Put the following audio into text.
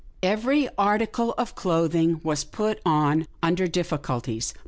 Every article of clothing was put on under diffi culties.